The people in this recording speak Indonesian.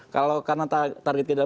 kalau karena target kita